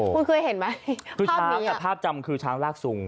คุณเคยเห็นไหมคือช้างภาพจำคือช้างลากสุง